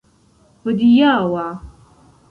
hodiaŭa